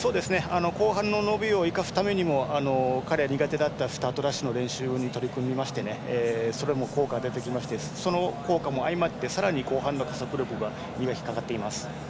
後半の伸びを生かすためにも彼が苦手だったスタートダッシュの練習に取り組みましてそれも効果が出てきましてその効果も相まってさらに後半の加速力に磨きがかかっています。